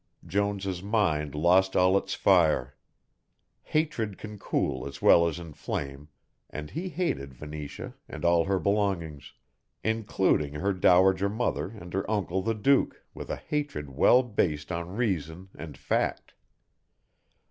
Jones' mind lost all its fire. Hatred can cool as well as inflame and he hated Venetia and all her belongings, including her dowager mother and her uncle the duke, with a hatred well based on reason and fact.